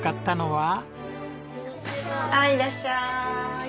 はいいらっしゃい。